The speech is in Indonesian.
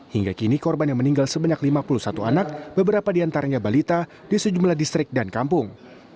hingga kini korban yang meninggal sebanyak lima puluh satu anak beberapa diantaranya balita di sejumlah distrik dan kampung